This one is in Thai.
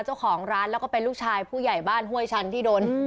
เจ้าของร้านแล้วก็เป็นลูกชายผู้ใหญ่บ้านห้วยชันที่โดน